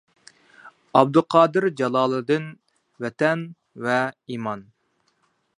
ئابدۇقادىر جالالىدىن: «ۋەتەن ۋە ئىمان»